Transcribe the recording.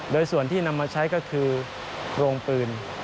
โดยส่วนที่นำมาใช้ก็คือโรงปืน